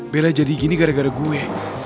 bela jadi gini gara gara gue